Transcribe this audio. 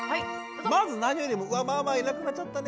まず何よりも「うわママいなくなっちゃったね